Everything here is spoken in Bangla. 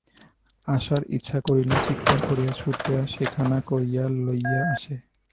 আশার ইচ্ছা করিল, চীৎকার করিয়া ছুটিয়া সেখানা কাড়িয়া লইয়া আসে।